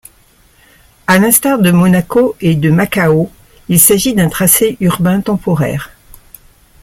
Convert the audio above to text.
A l'instar de Monaco et de Macao, il s'agit d'un tracé urbain temporaire.